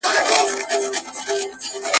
چي یې ستا آواز تر غوږ وي رسېدلی.